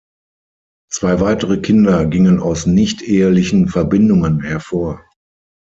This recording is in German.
Zwei weitere Kinder gingen aus nichtehelichen Verbindungen hervor.